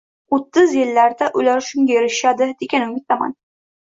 O‘ttiz yillarda ular shunga erishishadi degan umiddaman.